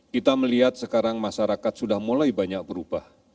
kita melihat sekarang masyarakat sudah mulai banyak berubah